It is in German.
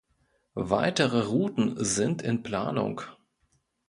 Weitere Routen sind in Planung.